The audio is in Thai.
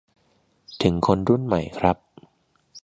ถึงคนรุ่นใหม่ครับ